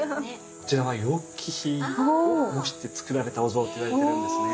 こちらは楊貴妃を模して造られたお像っていわれてるんですね。